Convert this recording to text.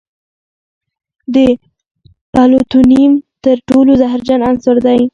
د پلوتونیم تر ټولو زهرجن عنصر دی.